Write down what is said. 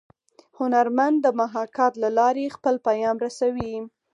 هنرمن د محاکات له لارې خپل پیام رسوي